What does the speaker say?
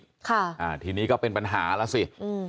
ค่ะอ่าทีนี้ก็เป็นปัญหาแล้วสิอืม